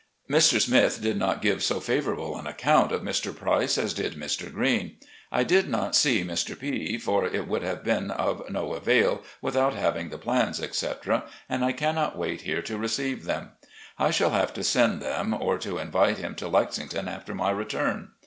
Mr. Smith did not give so favourable an account of Mr. Price as did Mr. Green. I did not see Mr. P , for it would have been of no avail without having the plans, etc., and I cannot wait here to receive them. I shall have to send them, or to invite him to Lexington after my return.